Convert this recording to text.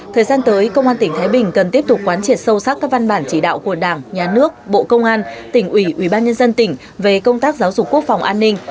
thời gian tới công an tỉnh thái bình cần tiếp tục quán triệt sâu sắc các văn bản chỉ đạo của đảng nhà nước bộ công an tỉnh ủy ủy ban nhân dân tỉnh về công tác giáo dục quốc phòng an ninh